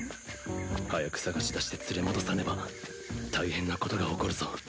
早く捜し出して連れ戻さねば大変なことが起こるぞ